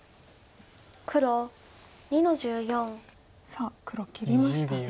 さあ黒切りましたね。